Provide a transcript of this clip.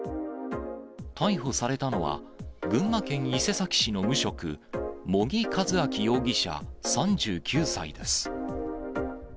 逮捕されたのは、群馬県伊勢崎市の無職、茂木和昭容疑者３９歳です。